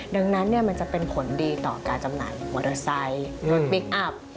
ดังนั้นมันจะเป็นผลดีต่อการจำหน่ายมอเตอร์ไซค์รถพลิกอัพ